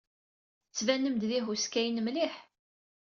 Tettbanem-d d ihuskayen mliḥ.